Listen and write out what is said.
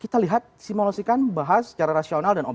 kita lihat simulasikan bahas secara rasional dan obje